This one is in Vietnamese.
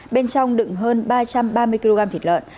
bên trong đựng hơn ba trăm ba mươi kg thịt lợn